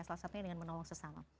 salah satunya dengan menolong sesama